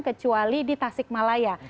kecuali di tasik malaya